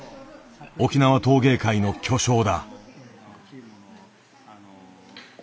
沖縄陶芸界の巨匠だ。